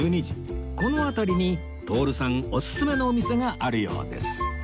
この辺りに徹さんオススメのお店があるようです